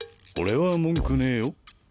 俺は文句ねえよ。